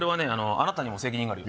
あなたにも責任があるよ